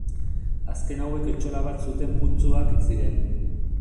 Azken hauek etxola bat zuten putzuak ziren.